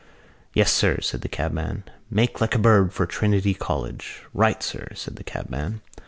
"Yes, sir," said the cabman. "Make like a bird for Trinity College." "Right, sir," said the cabman.